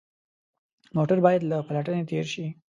موټر باید له پلټنې تېر شي.